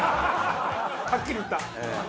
はっきり言った！